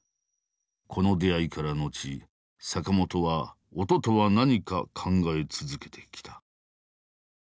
この出会いから後坂本は音とは何か考え続けてきた。